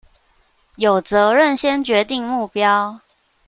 有責任先決定目標